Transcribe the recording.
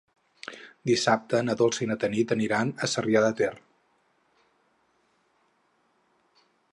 Dissabte na Dolça i na Tanit aniran a Sarrià de Ter.